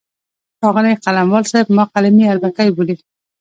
ښاغلی قلموال صاحب ما قلمي اربکی بولي.